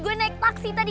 gue naik taksi tadi